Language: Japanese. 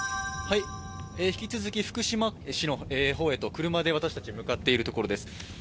引き続き福島市の方へと車で私達向かっているところです